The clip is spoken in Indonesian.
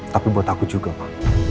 tapi buat aku juga pak